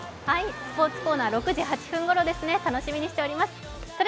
スポーツコーナー６時８分ごろですね、楽しみにしていましょう。